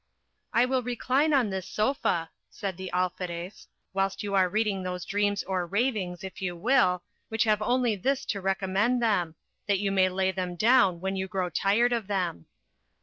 I will recline on this sofa, said the Alferez, whilst you are reading those dreams or ravings, if you will, which have only this to recommend them, that you may lay them down when you grow tired of them.